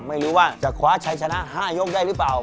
ไม่รู้ว่าจะคว้าชัยชนะ๕ยกได้หรือเปล่า